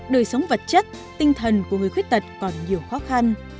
đời sống vật chất tinh thần của người khuyết tật còn nhiều khó khăn